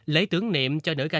lấy tướng niệm cho nữ ca sĩ